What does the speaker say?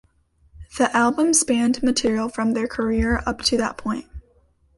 The album spanned material from their career up to that point.